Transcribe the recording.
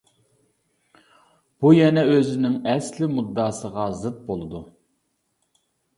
بۇ يەنە ئۆزىنىڭ ئەسلىي مۇددىئاسىغا زىت بولىدۇ.